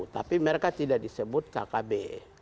tapi mereka tidak disebutnya itu adalah kemerdekaan orang papua